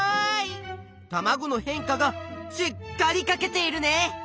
たまごの変化がしっかりかけているね！